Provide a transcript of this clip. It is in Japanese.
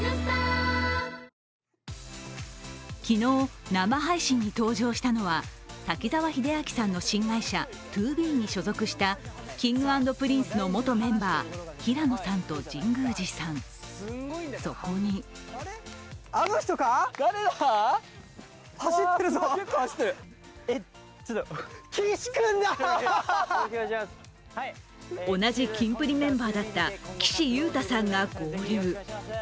昨日、生配信に登場したのは、滝沢秀明さんの新会社、ＴＯＢＥに所属したＫｉｎｇ＆Ｐｒｉｎｃｅの元メンバー平野さんと神宮司さん、そこに同じキンプリメンバーだった岸優太さんが合流。